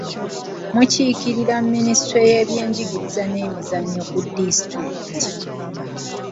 Mukiikirira minisitule y'ebyenjigiriza n'emizannyo ku disitulikiti.